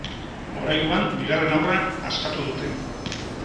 Oraingoan bigarren haurra askatu dute.